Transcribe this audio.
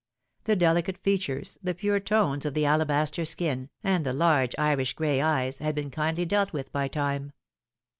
The delicate features, the pure tones of the alabaster skin, and the large Irish gray eyes, had been kindly dealt with by time.